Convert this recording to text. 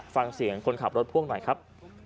ฟังเสียงคนขับรถพ่วงหน่อยครับ